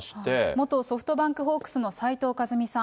元ソフトバンクホークスの斉藤和巳さん。